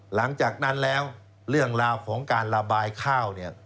หลังจากนั้นแล้วเรื่องราวของการระบายข้าวเนี่ย